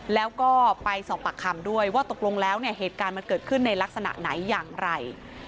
แล้วก็ไปสอบปากคำด้วยว่าตกลงแล้วเนี่ยเหตุการณ์มันเกิดขึ้นในลักษณะไหนอย่างไร